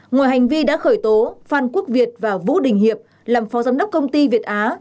ngoài hành vi đã khởi tố phan quốc việt và vũ đình hiệp làm phó giám đốc công ty việt á